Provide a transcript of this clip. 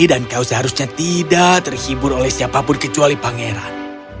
dan kau seharusnya tidak terhibur oleh siapapun kecuali pangeran